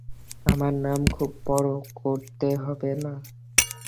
আমার নাম খুব বড় করতে হবে না।